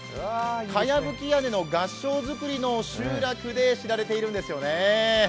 かやぶき屋根の合掌造りの集落で知られているんですね。